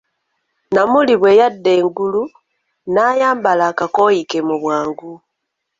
Namuli bwe yadda engulu, n'ayambala akakooyi ke mu bwangu .